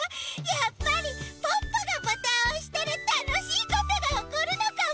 やっぱりポッポがボタンをおしたらたのしいことがおこるのかも！